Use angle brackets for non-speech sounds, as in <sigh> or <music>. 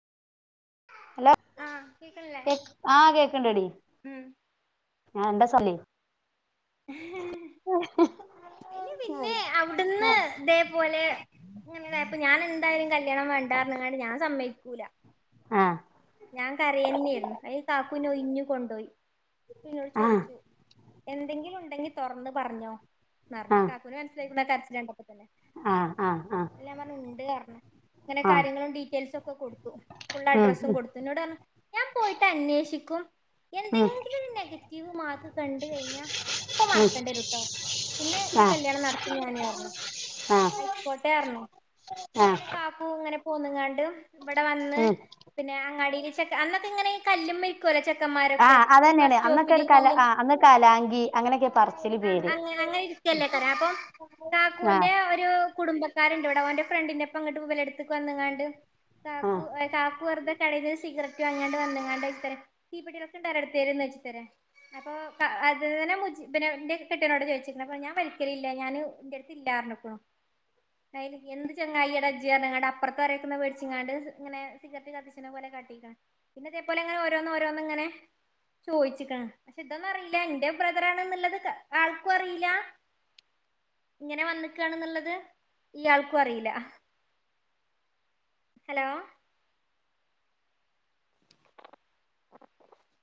Hello ആഹ് കേക്കണില്ലേ കേ ആഹ് കേക്കിണ്ടെടി ഉം ഞാൻ എന്താ തല്ലേ അതില് പിന്നെ അവിടുന്ന് ഇതേപോലെ ഇങ്ങനെ ആയിപ്പ, ഞാൻ എന്തായാലും കല്യാണം വേണ്ടാ പറഞ്ഞിങ്ങാണ്ട് ഞാൻ സമ്മയി പൂല ആ ഞാൻ കരയന്നെയായിരുന്ന. അയിന് കാക്കു ഉഴിഞ്ഞു കൊണ്ടുയി ആഹ് ചോയിച്ചു എന്തെങ്കിലും ഉണ്ടെങ്കി തുറന്ന് പറഞ്ഞോ. ന്ന് പറഞ്ഞെ. ആഹ് കാക്കുനെ മനസിലായി <unintelligible> കരച്ച <unintelligible> തന്നെ. ആഹ് ആഹ് ആഹ് എല്ലാം പറഞ്ഞു ഉണ്ട്റഞ്ഞ. ഇങ്ങനെ ആഹ് കാര്യങ്ങളും ഡീറ്റെയിൽസും ഒക്കെ കൊടുത്തു ഫുൾ ഉം അഡ്രസ്സും ഉം കൊടു <unintelligible> ഞാൻ പോയിട്ട് അന്വേഷ ശിക്കും. ഉം എന്തെങ്കിലും ഒരു നെഗറ്റീവ് മാർക്ക് കണ്ട കഴിഞ്ഞാ അപ്പ ഉം മറക്കണ്ടേരട്ടോ, പിന്നെ ഈ ആഹ് കല്യാണം നടത്തും ഞാന് പറഞ്ഞു. ആഹ് ആയിക്കോട്ടെ പറഞ്ഞു, അതില് ആഹ് പിന്നെ കാക്കൂ അങ്ങനെ പോന്നങ്ങാണ്ട് ഇവിടെ വന്ന് ഉം പിന്നെ അങ്ങാടി ചെക്കാ അന്നൊക്കെ ഇങ്ങനെ ഈ കല്ലുമേ ഇരിക്കലോ ചെ കന്മാരൊക്കെ. ആഹ് ഈ അതന്നെയാണ് അന്നൊക്കെ ബസ്റ്റോപ്പില് ഒരു കല കലുമ്മ ആഹ് അന്ന് ആ കലാങ്കി അങ്ങനെയൊക്കെ പറച്ചില് ആ പേര് ആ അങ്ങനങ്ങനെ ഇരിക്കല്ലേ ആള്ക്കാര് അപ്പൊ ആഹ് കാക്കൂന്റെ ഒരു കുടുംബ കാരന്റെവിടെ അവന്റെ ഫ്രണ്ടിൻന്റെപ്പ ഇങ്ങട്ട് ഇവരെടുത് വന്നെങ്ങടെ ആഹ് ചാക്കു കാക്കു വേ കട സിഗററ്റും വാങ്ങ വന്നങ്ങാണ്ട് ചോദിച്ചരെ തീപിടി <unintelligible> ഇടുത്തരുന്നേ ചോദിച്ചരെ അപ്പൊ അത് തെ മുജ എന്റെ കെട്ടിയനോട് ചോദിച്ചി അപ്പ ഞാൻ വലിക്കല്ലില് ഞൻ എന്റെ അടുത്ത് ഇല്ലന്നെ പറഞ്ഞപ്പോ എന്ത് ചെങ്ങായിട ഇജ്ജ് പറഞ്ഞുകണ്ടേ അപ്പുറത്ത് ആരെടുത്തു മേടിച്ചിങ്ങാണ്ട് ഇങ്ങന സിഗറ്റ് കത്തി <unintelligible> പിന്നെ ഇതേപോലെ ഇങ്ങനെ ഓരോന്ന് ഓരോന്ന് ഇങ്ങനെ ചോയിച്ചിക്ണ് പക്ഷെ ഇതൊന്നും അറിയില്ല എന്റെ ബ്രദറാണ് ന്നുള്ളത് ആൾക്കും അറിയില്ല ഇങ്ങനെ വന്നിക്കാണ്ന്നുള്ളത് ഈയാൾക്കും അറിയില്ല ഹലോ